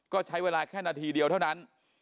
ก็ใช้เวลาแค่นาทีเดียวเท่านั้น